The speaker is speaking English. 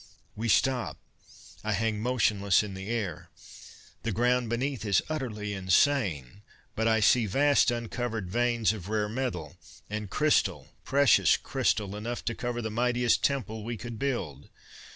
"We stop. I hang motionless in the air. The ground beneath is utterly insane. But I see vast uncovered veins of rare metal and crystal, precious crystal, enough to cover the mightiest Temple we could build!